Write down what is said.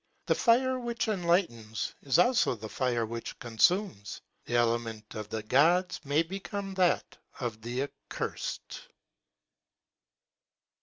The fire which enlightens is also the fire which consumes; the element of the gods may become that of the accursed.